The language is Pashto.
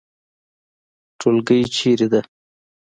ټولګی چیرته ده؟